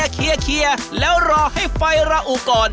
เคลียร์แล้วรอให้ไฟระอุก่อน